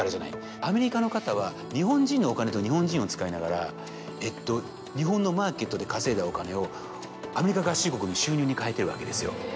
アメリカの方は日本人のお金と日本人を使いながら日本のマーケットで稼いだお金をアメリカ合衆国の収入にかえているわけですよ。